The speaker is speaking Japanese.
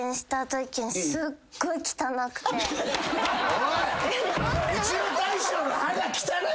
おい！